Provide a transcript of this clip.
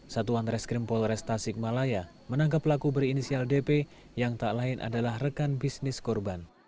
satuan reskrim polres tasikmalaya menangkap pelaku berinisial dp yang tak lain adalah rekan bisnis korban